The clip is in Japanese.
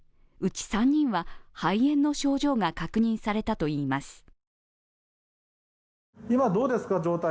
うち３人は肺炎の症状が確認されたといいます。